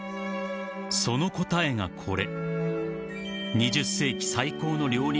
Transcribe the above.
［その答えがこれ］